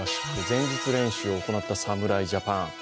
前日練習を行った侍ジャパン。